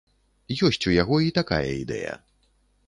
Ёсць у яго і такая ідэя.